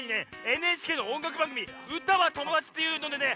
ＮＨＫのおんがくばんぐみ「歌はともだち」っていうのでね